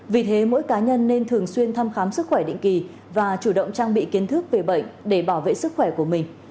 vì thế mỗi cá nhân nên thường xuyên thăm khám sức khỏe định kỳ và chủ động trang bị kiến thức về bệnh để bảo vệ sức khỏe của mình